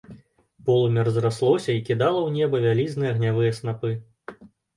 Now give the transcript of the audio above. Полымя разраслося й кідала ў неба вялізныя агнявыя снапы.